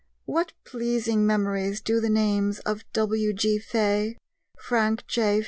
What pleasing memories do the names of W.G. Fay, Frank J.